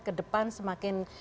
ke depan semakin